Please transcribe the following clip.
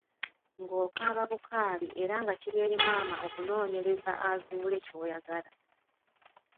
Ng'okaababukaabi era nga kiri eri maama okunoonyereza azuule ky'oyagala.